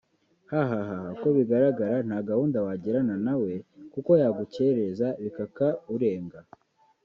hhhh ukobigaragara ntagahunda wajyirana na we kuko yagukereza bikakaurenga